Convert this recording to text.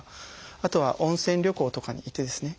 あとは温泉旅行とかに行ってですね